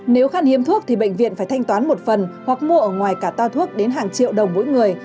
nếu khăn hiếm thuốc thì bệnh viện phải thanh toán một phần hoặc mua ở ngoài cả toa thuốc đến hàng triệu đồng mỗi người